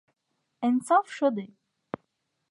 انصاف ښه دی.